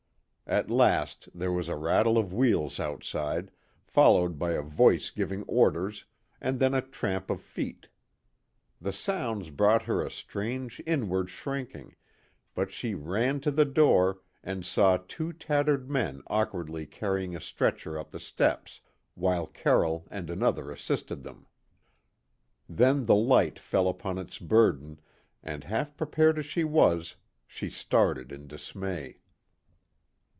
At last there was a rattle of wheels outside, followed by a voice giving orders, and then a tramp of feet. The sounds brought her a strange inward shrinking, but she ran to the door, and saw two tattered men awkwardly carrying a stretcher up the steps, while Carroll and another assisted them. Then the light fell upon its burden, and half prepared as she was, she started in dismay.